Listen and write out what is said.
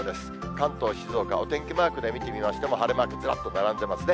関東、静岡、お天気マークで見てみましても、晴れマークずらっと並んでますね。